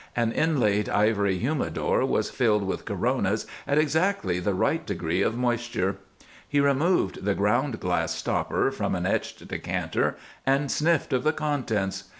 An inlaid ivory humidor was filled with coronas at exactly the right degree of moisture. He removed the ground glass stopper from an etched decanter and sniffed of the contents.